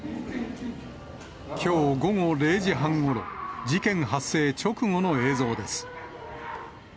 きょう午後０時半ごろ、事件発生直後の映像です。